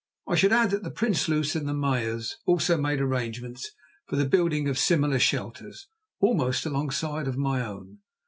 I should add that the Prinsloos and the Meyers also made arrangements for the building of similar shelters almost alongside of my own.